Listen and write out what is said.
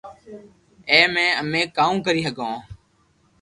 ايي مي امي ڪاوُ ڪري ھگو